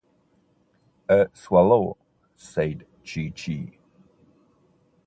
“A swallow,” said Chee-Chee.